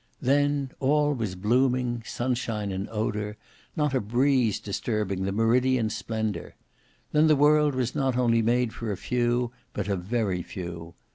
Then all was blooming; sunshine and odour; not a breeze disturbing the meridian splendour. Then the world was not only made for a few, but a very few.